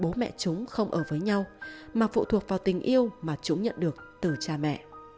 chỉ là việc bố mẹ chúng không ở với nhau mà phụ thuộc vào tình yêu mà chúng nhận được từ cha mẹ